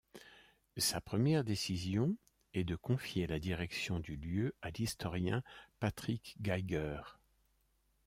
Sa première décision est de confier la direction du lieu à l'historien Patrick Gyger.